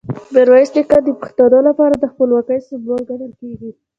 میرویس نیکه د پښتنو لپاره د خپلواکۍ سمبول ګڼل کېږي.